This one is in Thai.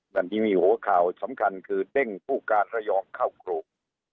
มันมีหัวข่าวสำคัญคือเด้งผู้การระยองเข้ากรุง